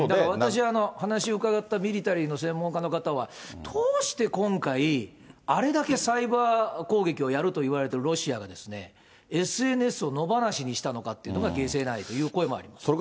私、話を伺ったミリタリーの専門家の方は、どうして今回、あれだけサイバー攻撃をやると言われているロシアが、ＳＮＳを野放しにしたのかというのが解せないという声もあります。